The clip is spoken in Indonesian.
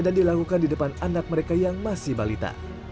dan dilakukan di depan anak mereka yang masih balita